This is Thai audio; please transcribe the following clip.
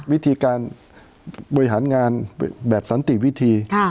วิธีการบริหารงานแบบสันติวิธี